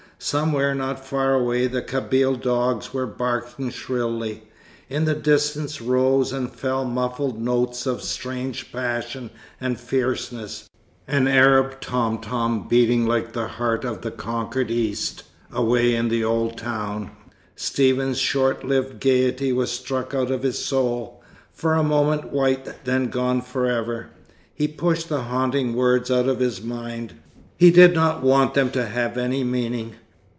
Somewhere not far away the Kabyle dogs were barking shrilly. In the distance rose and fell muffled notes of strange passion and fierceness, an Arab tom tom beating like the heart of the conquered East, away in the old town. Stephen's short lived gaiety was struck out of his soul. "For a moment white, then gone forever." He pushed the haunting words out of his mind. He did not want them to have any meaning.